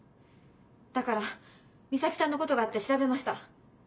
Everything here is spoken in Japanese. だから岬さんのことがあって調べました。